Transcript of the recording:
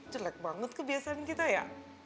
jelek banget kebiasaan kita ya